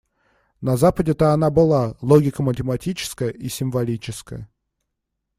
На Западе-то она была: логика математическая и символическая.